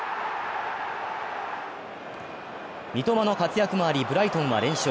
三笘の活躍もあり、ブライトンは連勝。